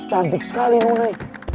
cantik sekali nona